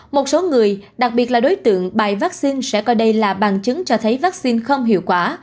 một số người đặc biệt là đối tượng bài vaccine sẽ coi đây là bằng chứng cho thấy vaccine không hiệu quả